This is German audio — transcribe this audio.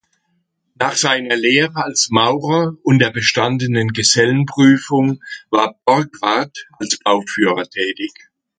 Nach seiner Lehre als Maurer und der bestandenen Gesellenprüfung war Borgwardt als Bauführer tätig.